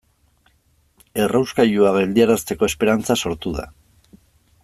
Errauskailua geldiarazteko esperantza sortu da.